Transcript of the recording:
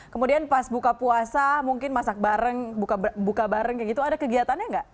kemudian pas buka puasa mungkin masak bareng buka bareng kayak gitu ada kegiatannya nggak